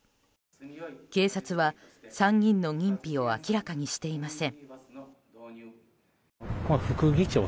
警察は３人の認否を明らかにしていません。